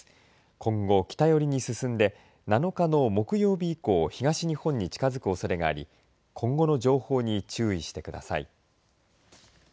今後、北寄りに進んで７日の木曜日以降東日本に近づくおそれがあり今後の情報に注意してください。